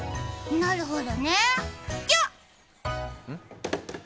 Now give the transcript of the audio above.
なるほどね、じゃ！